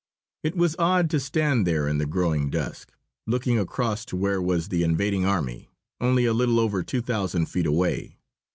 It was odd to stand there in the growing dusk, looking across to where was the invading army, only a little over two thousand feet away.